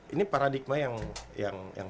ini paradigma yang